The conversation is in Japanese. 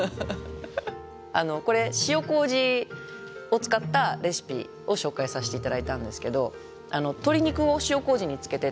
あのこれ塩こうじを使ったレシピを紹介させて頂いたんですけど鶏肉を塩こうじに漬けて。